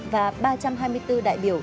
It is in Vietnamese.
và ba trăm hai mươi bốn đại biểu